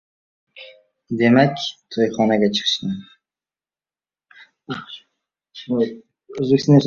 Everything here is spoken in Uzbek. Demak, to‘yxonaga chiqishgan.